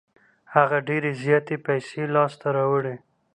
هغه ډېرې زياتې پیسې لاس ته راوړې.